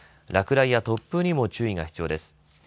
落雷や突風にも注意が必要です。